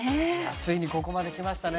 ついにここまできましたね。